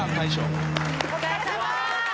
お疲れさま。